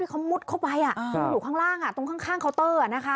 เขามุดเข้าไปอยู่ข้างล่างตรงข้างเคาน์เตอร์